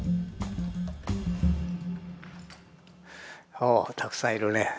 おおたくさんいるね。